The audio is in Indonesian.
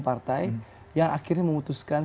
partai yang akhirnya memutuskan